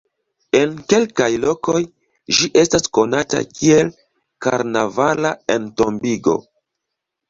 En kelkaj lokoj ĝi estas konata kiel "karnavala entombigo".